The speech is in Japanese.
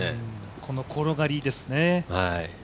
この転がりですね。